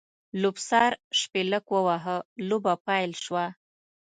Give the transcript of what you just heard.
لوبڅار شپېلک ووهه؛ لوبه پیل شوه.